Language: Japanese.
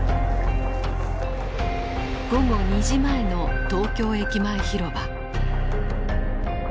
午後２時前の東京駅前広場。